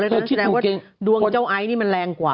แสดงว่าดวงเจ้าไอซ์นี่มันแรงกว่า